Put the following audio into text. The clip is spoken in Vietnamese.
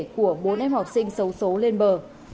của bốn em học sinh xấu xấu lên bờ